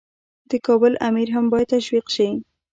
د کابل امیر هم باید تشویق شي.